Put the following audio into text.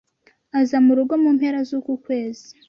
Aza murugo mu mpera zuku kwezi.